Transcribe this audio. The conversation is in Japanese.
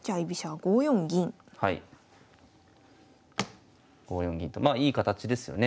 ５四銀とまあいい形ですよね。